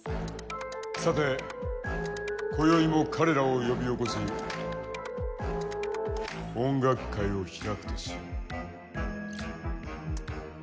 さて今宵も彼らを呼び起こし音楽会を開くとしよう。